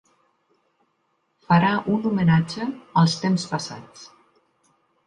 Farà un homenatge als temps passats.